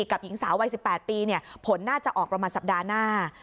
กับหญิงสาววัย๑๘ปีผลน่าจะออกประมาณสัปดาห์หน้า